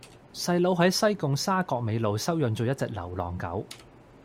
細佬喺西貢沙角尾路收養左一隻流浪狗